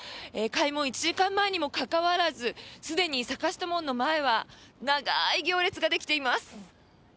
開門１時間前にもかかわらずすでに坂下門の前は長い行列ができています。